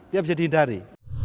dia bisa dihindari